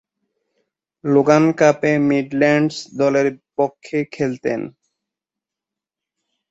Logan কাপে Midlands দলের পক্ষে খেলতেন।